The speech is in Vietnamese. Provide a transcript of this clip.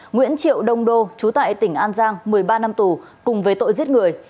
nguyễn triệu đông đô chú tại tỉnh an giang một mươi ba năm tù cùng với tội giết người